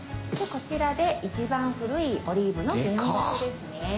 こちらで一番古いオリーブの原木ですね。